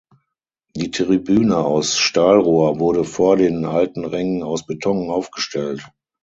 Die Tribüne aus Stahlrohr wurde vor den alten Rängen aus Beton aufgestellt.